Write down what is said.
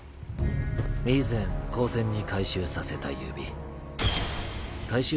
以前高専に回収させた指回収